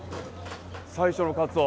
最初のカツオ。